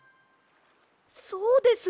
そうです。